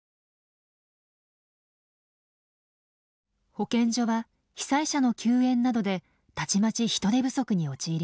保健所は被災者の救援などでたちまち人手不足に陥りました。